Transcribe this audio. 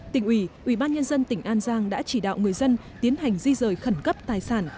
tỉnh ủy ủy ban nhân dân tỉnh an giang đã chỉ đạo người dân tiến hành di rời khẩn cấp tài sản